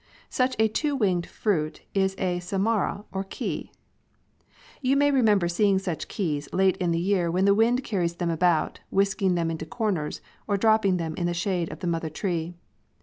Such a two winged fruit is a samara or key (Fig. 4). You may remember seeing such keys late in the year when the wind carries them about, whisking them into corners, or dropping them in the shade of the mother tree.